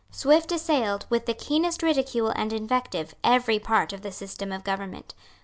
Swift assailed, with the keenest ridicule and invective, every part of the system of government.